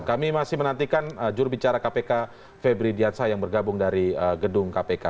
kami masih menantikan jurubicara kpk febri diansah yang bergabung dari gedung kpk